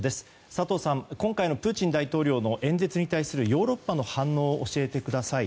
佐藤さん、今回のプーチン大統領の演説に対するヨーロッパの反応を教えてください。